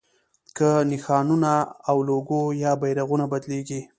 که نښانونه او لوګو یا بیرغونه بدلېږي.